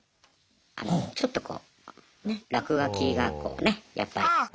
あのちょっとこうね落書きがこうねやっぱり。